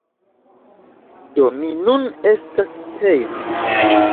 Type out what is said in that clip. Do, mi nun estas hejme